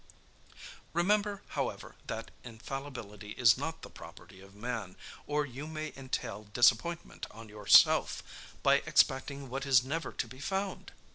"Remember, however, that infallibility is not the property of man, or you may entail disappointment on yourself, by expecting what is never to be found.